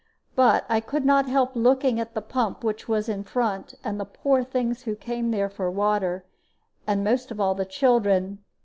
But I could not help looking at the pump which was in front, and the poor things who came there for water, and, most of all, the children.